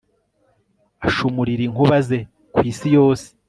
ashumurira inkuba ze ku isi yose